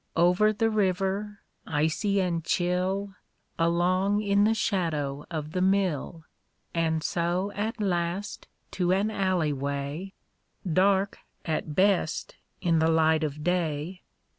Over the river, icy and chill, Along in the shadow of the mill, And so at last to an alley way, Dark at best in the light of day.